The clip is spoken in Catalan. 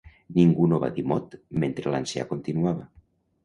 Ningú no va dir mot mentre l'ancià continuava.